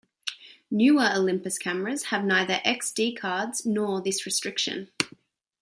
Newer Olympus cameras have neither xD cards nor this restriction.